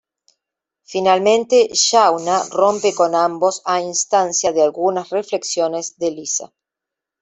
Finalmente, Shauna rompe con ambos a instancia de algunas reflexiones de Lisa.